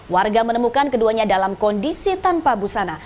warga menemukan keduanya dalam kondisi tanpa busana